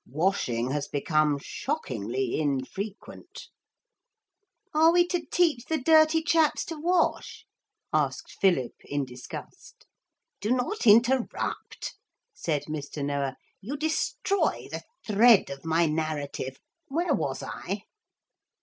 Washing has become shockingly infrequent.' 'Are we to teach the dirty chaps to wash?' asked Philip in disgust. 'Do not interrupt,' said Mr. Noah. 'You destroy the thread of my narrative. Where was I?'